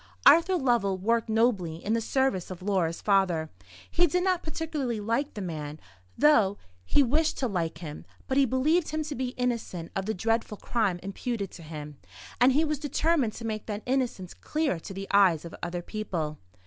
Arthur Lovell worked nobly in the service of Laura's father. He did not particularly like the man, though he wished to like him; but he believed him to be innocent of the dreadful crime imputed to him, and he was determined to make that innocence clear to the eyes of other people.